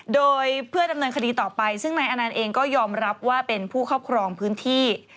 โดยเพื่อดำเนินคดีต่อไปซึ่งนายอนันต์เองก็ยอมรับว่าเป็นผู้ครอบครองพื้นที่